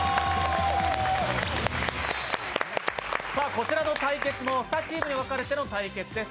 こちらの対決も２チームに分かれての対決です。